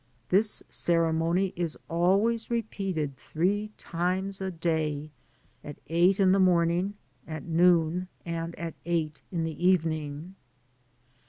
This ceremony is always repeated three, times a day, at eight in the morning, at noon, and at eight in the evening.